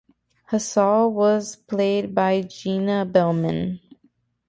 Hassall was played by Gina Bellman.